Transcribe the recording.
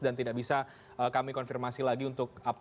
dan tidak bisa kami konfirmasi lagi untuk apa yang sudah kita bahas pak abar